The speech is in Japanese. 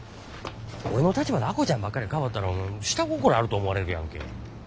俺の立場で亜子ちゃんばっかりかばったら下心あると思われるやんけ。